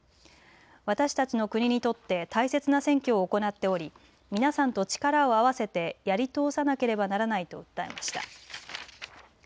私たちの国にとって大切な選挙を行っており皆さんと力を合わせてやり通さなければならないと訴えました。